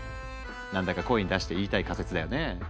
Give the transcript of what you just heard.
何だか声に出して言いたい仮説だよね。